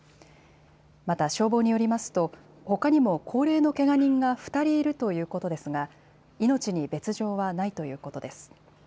また消防によりますと、ほかにも高齢のけが人が２人いるということですが、命に別状はないということです。